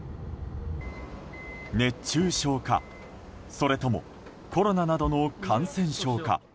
熱中症かそれともコロナなどの感染症か。